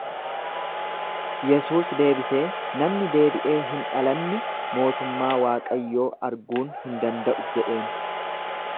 Yesuus deebisee, Namni deebiee hin dhalanne mootummaa Waaqayyoo arguun hin danda'u jedheen.